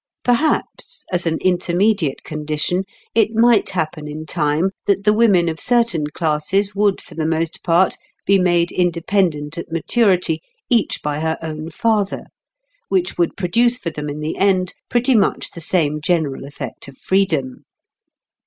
Perhaps, as an intermediate condition, it might happen in time that the women of certain classes would for the most part be made independent at maturity each by her own father; which would produce for them in the end pretty much the same general effect of freedom.